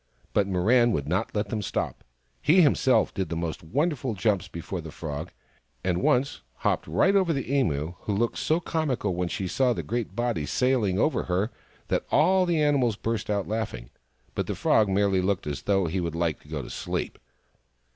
But Mirran would not let them stop. He himself did most wonderful jumps before the Frog, and once hopped right over the Emu, who looked so comical when she saw the great body sailing over her that all the animals burst out laughing ; but the Frog merely looked as though he would like to go to sleep.